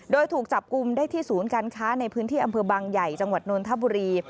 โดยถูกจับกลุ่มได้ที่ศูนย์การค้าในพื้นที่อำเภอบางใหญ่จังหวัดนนทบุรี